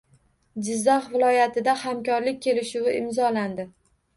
Jizzax viloyatida hamkorlik kelishuvi imzolandi